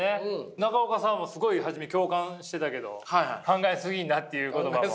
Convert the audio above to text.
中岡さんもすごい初め共感してたけど考えすぎんなっていう言葉も。